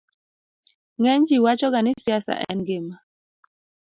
ng'eny ji wacho ga ni siasa en ngima